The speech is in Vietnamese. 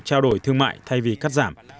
trao đổi thương mại thay vì cắt giảm